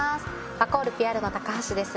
ワコールＰＲの高橋です